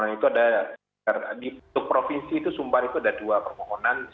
tadi saya juga sudah periksa permohonan permohonan itu ada di provinsi itu sumbar itu ada dua permohonan